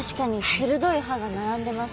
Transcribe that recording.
鋭い歯が並んでますね。